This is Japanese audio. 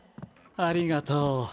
ありがとう。